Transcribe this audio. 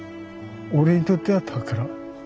俺にとっては宝。